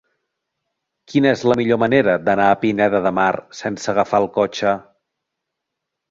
Quina és la millor manera d'anar a Pineda de Mar sense agafar el cotxe?